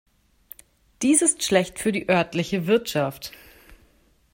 Dies ist schlecht für die örtliche Wirtschaft.